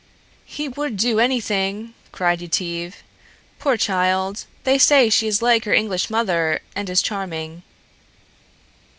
"He would do anything," cried Yetive. "Poor child; they say she is like her English mother and is charming."